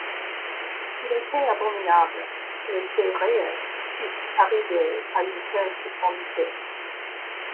Il était abominable que les faits réels pussent arriver à une telle difformité.